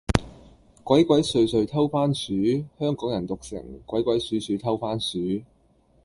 鬼鬼祟祟偷番薯，香港人讀成，鬼鬼鼠鼠偷番薯